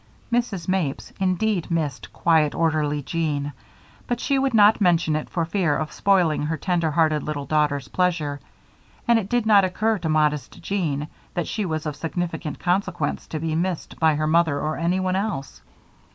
Mrs. Mapes, indeed, missed quiet, orderly Jean; but she would not mention it for fear of spoiling her tender hearted little daughter's pleasure, and it did not occur to modest Jean that she was of sufficient consequence to be missed by her mother or anyone else.